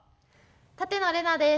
舘野伶奈です。